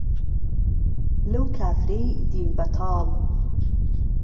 لەو کافرەی دین به تاڵ